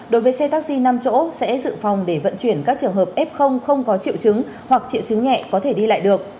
đối với xe taxi năm chỗ sẽ dự phòng để vận chuyển các trường hợp f không có triệu chứng hoặc triệu chứng nhẹ có thể đi lại được